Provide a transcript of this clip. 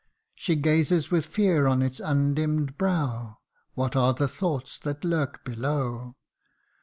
She gazes with fear on its undimm'd brow What are the thoughts that lurk below